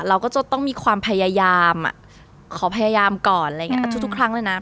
เราก็จะต้องมีความพยายามขอพยายามก่อนอะไรอย่างนี้ทุกครั้งเลยนะ